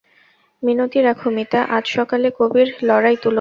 মিনতি রাখো মিতা, আজ সকালে কবির লড়াই তুলো না।